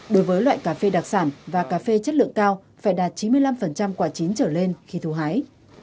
đối với loại cà phê đặc sản và cà phê chất lượng cao phải đạt chín mươi năm quả chín trở lên khi thu hái